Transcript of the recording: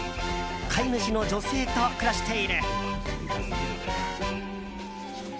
飼い主の女性と暮らしている。